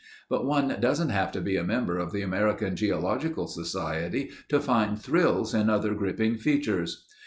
But one doesn't have to be a member of the American Geological Society to find thrills in other gripping features.